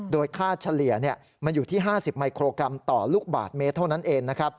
โดยค่าเฉลี่ยมันอยู่ที่๕๐มิโครกรัมต่อลูกบาทเมตรเท่านั้นเอง